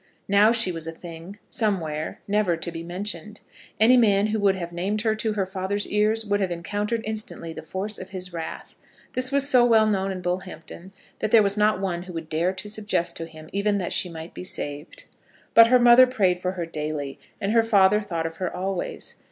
Now she was a thing, somewhere, never to be mentioned! Any man who would have named her to her father's ears, would have encountered instantly the force of his wrath. This was so well known in Bullhampton that there was not one who would dare to suggest to him even that she might be saved. But her mother prayed for her daily, and her father thought of her always.